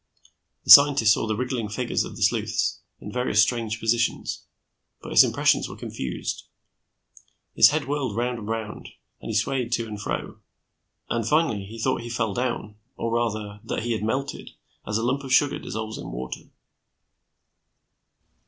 The scientist saw the wriggling figures of the sleuths, in various strange positions, but his impressions were confused. His head whirled round and round, he swayed to and fro, and, finally, he thought he fell down, or rather, that he had melted, as a lump of sugar dissolves in water.